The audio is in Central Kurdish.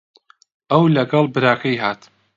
ئەو لەگەڵ براکەی هات.